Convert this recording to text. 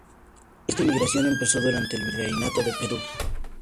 Esta inmigración empezó durante el Virreinato de Perú.